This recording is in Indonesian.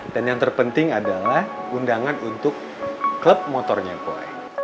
dan yang terpenting adalah undangan untuk klub motornya bu ayu